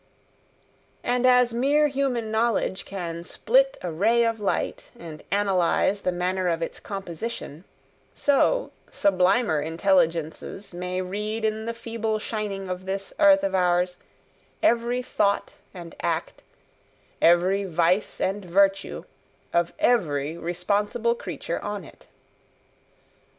And as mere human knowledge can split a ray of light and analyse the manner of its composition, so, sublimer intelligences may read in the feeble shining of this earth of ours, every thought and act, every vice and virtue, of every responsible creature on it.